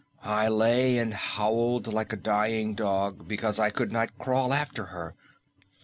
I lay and howled like a dying dog because I could not crawl after her.